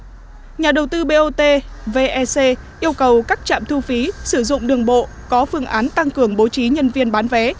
tổng cục được bộ yêu cầu các trạm thu phí sử dụng đường bộ có phương án tăng cường bố trí nhân viên bán vé